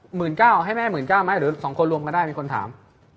หมื่นเก้าให้แม่หมื่นเก้าไหมหรือสองคนรวมกันได้มีคนถาม